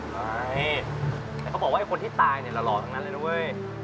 ใช่แต่เขาบอกว่าไอ้คนที่ตายเนี่ยหล่อทั้งนั้นเลยนะเว้ย